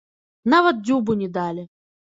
Нават дзюбу не далі.